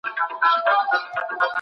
تاسو باید د ټولنې په درد ځان خبر کړئ.